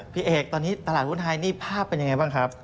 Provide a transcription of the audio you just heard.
พี่เอกตอนนี้ตลาดหุ้นไทยนี่ภาพเป็นยังไงบ้างครับ